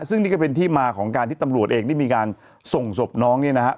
ซึ่งนี่ก็เป็นที่มาของการที่ตำรวจเองได้มีการส่งศพน้องเนี่ยนะฮะ